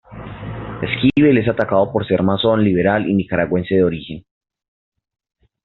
Esquivel es atacado por ser masón, liberal y nicaragüense de origen.